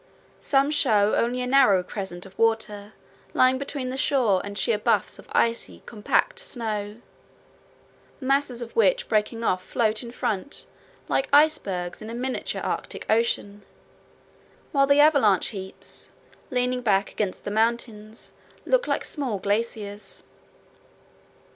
Some show only a narrow crescent of water lying between the shore and sheer bluffs of icy compacted snow, masses of which breaking off float in front like icebergs in a miniature Arctic Ocean, while the avalanche heaps leaning back against the mountains look like small glaciers.